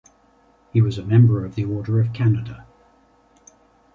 He was a Member of the Order of Canada.